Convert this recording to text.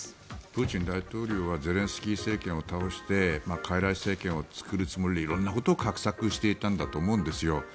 プーチン大統領はゼレンスキー政権を倒してかいらい政権を作るつもりで色んなことを画策していたんだと思うんですよ。